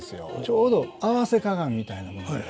ちょうど合わせ鏡みたいなものに。